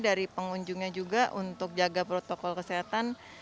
dari pengunjungnya juga untuk jaga protokol kesehatan